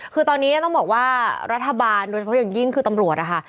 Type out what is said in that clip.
คือตอนนี้ต้องบอกว่ารัฐบาลโดยเฉพาะอย่างยิ่งคือตำรวจนะคะ